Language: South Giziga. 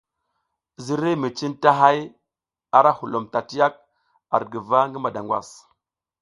Ziriy mi cintahay arahulom tatiyak ar guva ngi madangwas.